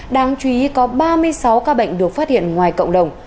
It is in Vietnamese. đáng chú ý có ba mươi sáu ca bệnh được phát hiện ngoài cộng đồng